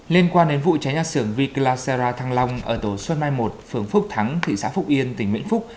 liên quan đến vụ cháy nhà xưởng viclazara thăng long ở tổ xuân mai một phường phúc thắng thị xã phúc yên tỉnh vĩnh phúc